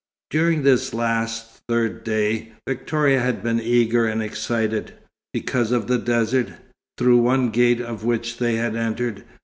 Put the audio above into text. During this last, third day, Victoria had been eager and excited, because of the desert, through one gate of which they had entered.